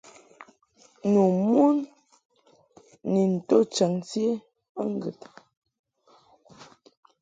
Nu mon ni nto ni chaŋti ma ŋgəd.